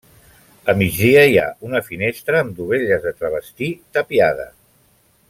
A migdia hi ha una finestra amb dovelles de travestí, tapiada.